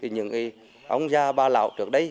những ông già ba lão trước đây